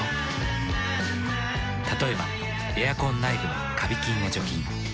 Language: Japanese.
例えばエアコン内部のカビ菌を除菌。